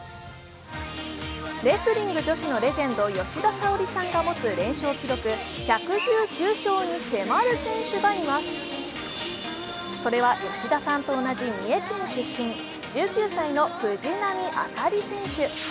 レスリング女子のレジェンド・吉田沙保里さんが持つ連勝記録１１９勝に迫る選手がいますそれは吉田さんと同じ三重県出身、１９歳の藤波朱理選手。